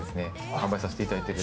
販売させていただいてて。